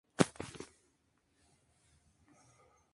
Nürburgring tiene una larga historia de carreras de resistencia.